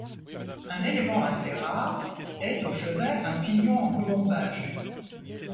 Un élément assez rare est, au chevet, un pignon en colombage.